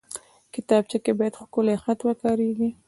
کتابچه کې باید ښکلی خط وکارېږي